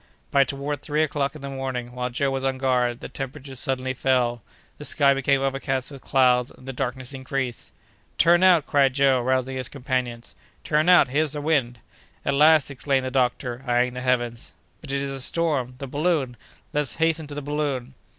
But, toward three o'clock in the morning, while Joe was on guard, the temperature suddenly fell; the sky became overcast with clouds, and the darkness increased. "Turn out!" cried Joe, arousing his companions. "Turn out! Here's the wind!" "At last!" exclaimed the doctor, eying the heavens. "But it is a storm! The balloon! Let us hasten to the balloon!"